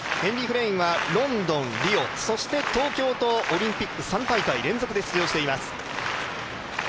ロンドン、リオ、そして東京とオリンピック３大会連続で出場しています。